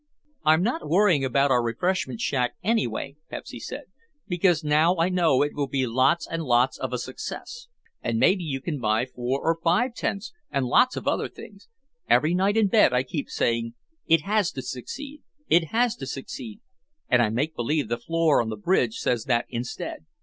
"I'm not worrying about our refreshment shack anyway," Pepsy said, "because now I know it will be lots and lots of a success. And maybe you can buy four or five tents and lots of other things. Every night in bed I keep saying: It has to succeed, It has to succeed, and I make believe the floor on the bridge says that instead.